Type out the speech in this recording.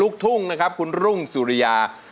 ลูกทุ่งของเราลูกทุ่งสุริยา